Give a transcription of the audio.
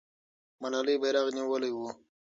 ملالۍ بیرغ نیولی وو.